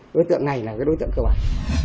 đối tượng này là cái đối tượng cơ bản